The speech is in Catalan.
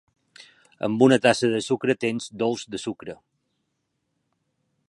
Amb una tassa de sucre tens dolç de sucre.